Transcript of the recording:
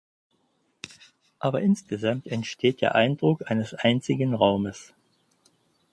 Aber insgesamt entsteht der Eindruck eines einzigen Raumes.